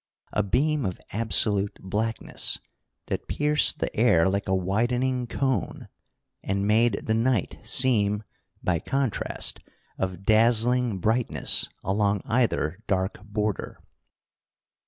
A beam of absolute blackness, that pierced the air like a widening cone, and made the night seem, by contrast, of dazzling brightness along either dark border.